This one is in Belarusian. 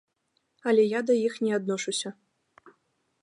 Але я да іх не адношуся.